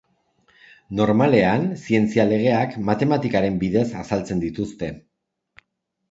Normalean zientzia-legeak matematikaren bidez azaltzen dituzte.